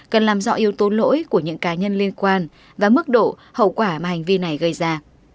cũng tốn lỗi của những cá nhân liên quan và mức độ hậu quả mà hành vi này gây ra